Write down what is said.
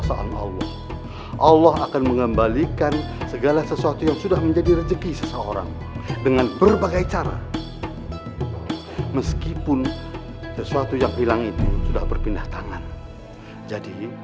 sampai jumpa di video selanjutnya